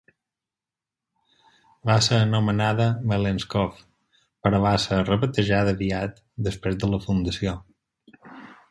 Va ser anomenada Mellenskov, però va ser rebatejada aviat després de la fundació.